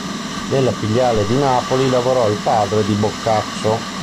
Nella filiale di Napoli lavorò il padre di Boccaccio.